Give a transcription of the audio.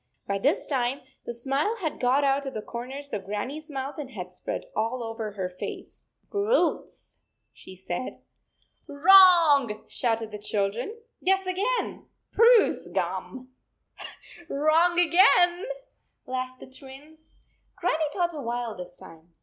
By this time, the smile had got out of the corners of Grannie s mouth and had spread all over her face. " Roots," she said. " Wrong," shouted the children. " Guess again." "Spruce gum." " Wrong again," laughed the Twins. Grannie thought a while this time.